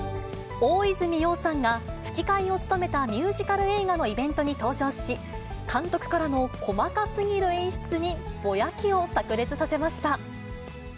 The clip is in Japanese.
大泉洋さんが吹き替えを務めたミュージカル映画のイベントに登場し、監督からの細かすぎる演出にぼやきをさく裂させました。